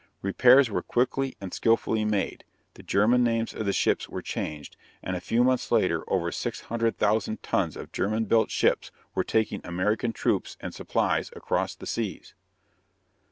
Repairs were quickly and skillfully made, the German names of the ships were changed, and a few months later over six hundred thousand tons of German built ships were taking American troops and supplies across the seas.